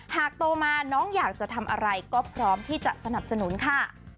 โตมาน้องอยากจะทำอะไรก็พร้อมที่จะสนับสนุนค่ะ